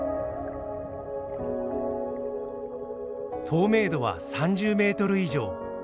透明度は３０メートル以上。